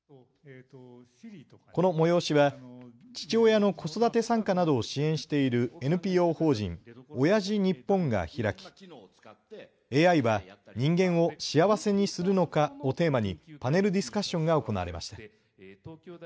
この催しは父親の子育て参加などを支援しているＮＰＯ法人、おやじ日本が開き、ＡＩは人間を幸せにするのかをテーマにパネルディスカッションが行われました。